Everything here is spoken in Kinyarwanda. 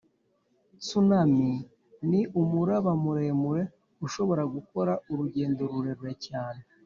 tsunami ni umuraba muremure ushobora gukora urugendo rurerure cyane